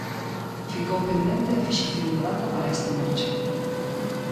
Ficou pendente a fixación da data para esta marcha.